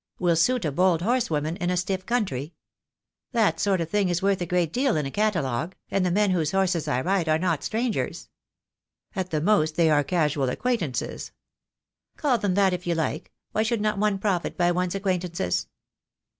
'Will suit a bold horsewoman in a stiff country.' That sort of thing is worth a great deal in a catalogue, and the men whose horses I ride are not strangers." "At the most they are casual acquaintances." "Call them that if you like. Why should not one profit by one's acquaintances?"